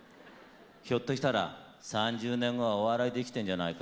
ひょっとしたら３０年後はお笑いで生きてんじゃないか？